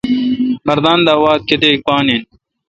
مردان دا واتھ کیتیک پان این۔